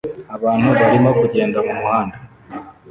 Abantu barimo kugenda mumuhanda